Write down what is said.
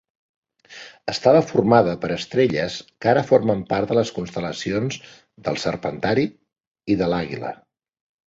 Estava formada per estrelles que ara formen part de les constel·lacions del Serpentari i de l'Àguila.